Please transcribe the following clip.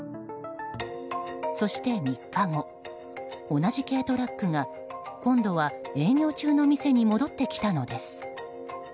そして３日後、同じ軽トラックが今度は営業中の店に戻ってきたのです。